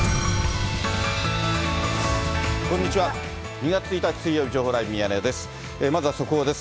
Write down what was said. ２月１日水曜日、情報ライブミヤネ屋です。